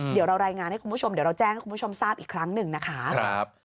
เดี๋ยวเรารายงานให้คุณผู้ชมเดี๋ยวเราแจ้งให้คุณผู้ชมทราบอีกครั้งหนึ่งนะคะ